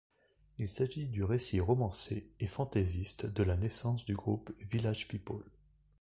Il s'agit du récit romancé et fantaisiste de la naissance du groupe Village People.